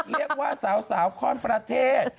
เรียกว่าสาวข้อนประเทศ